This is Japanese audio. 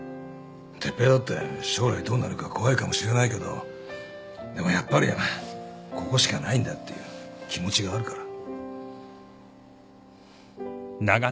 哲平だって将来どうなるか怖いかもしれないけどでもやっぱりここしかないんだっていう気持ちがあるから。